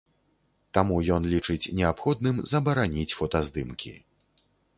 Таму ён лічыць неабходным забараніць фотаздымкі.